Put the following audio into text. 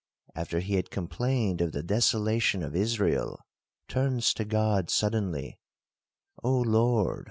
after he had complained of the desolation of Israel, turns to God suddenly, O Lord!